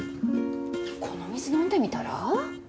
このお水飲んでみたら？